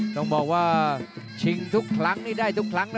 ต้องบอกว่าชิงทุกครั้งนี่ได้ทุกครั้งนะ